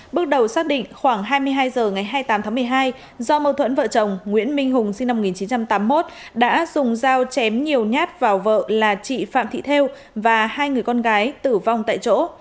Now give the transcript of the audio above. bước đầu xác định khoảng hai mươi hai h ngày hai mươi tám tháng một mươi hai do mâu thuẫn vợ chồng nguyễn minh hùng sinh năm một nghìn chín trăm tám mươi một đã dùng dao chém nhiều nhát vào vợ là chị phạm thị thêu và hai người con gái tử vong tại chỗ